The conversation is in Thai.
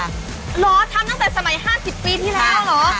เหรอทำตั้งแต่สมัย๕๐ปีที่แล้วเหรอ